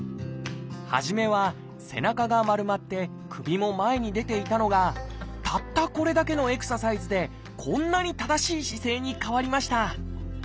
初めは背中が丸まって首も前に出ていたのがたったこれだけのエクササイズでこんなに正しい姿勢に変わりました。